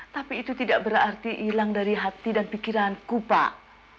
tapi itu tidak berarti hilang dari hati dan pikiranku pak